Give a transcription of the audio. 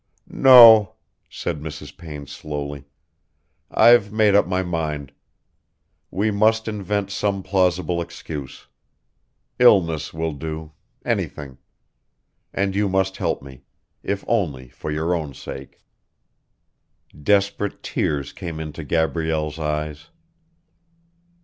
"No," said Mrs. Payne slowly. "I've made up my mind. We must invent some plausible excuse. Illness will do ... anything. And you must help me, if only for your own sake." Desperate tears came into Gabrielle's eyes.